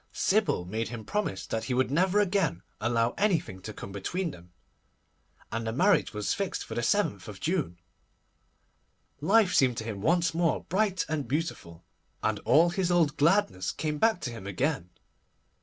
Sybil made him promise that he would never again allow anything to come between them, and the marriage was fixed for the 7th June. Life seemed to him once more bright and beautiful, and all his old gladness came back to him again.